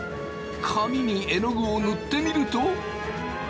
紙にえのぐを塗ってみると。